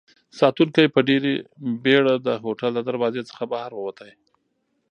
ساتونکی په ډېرې بېړه د هوټل له دروازې څخه بهر ووت.